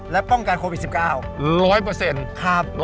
และป้องกันโควิด๑๙๑๐๐